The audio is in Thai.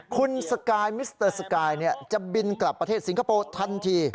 คุณสกายมิสเตอร์สกายจะบินกลับประเทศสิงคโปร์ทันที